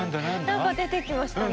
何か出てきましたね。